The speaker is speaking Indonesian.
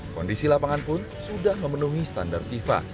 kondisi lapangan pun sudah memenuhi standar fifa